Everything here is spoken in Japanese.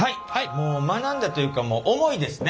もう学んだというかもう思いですね。